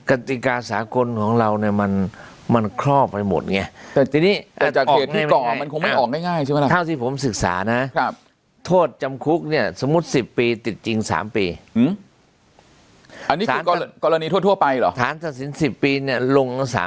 กฎิกาสาคนของเราเนี้ยมันมันครอบไปหมดไงแต่ทีนี้อาจออกง่ายง่าย